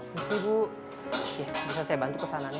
iya sih bu bisa saya bantu kesanannya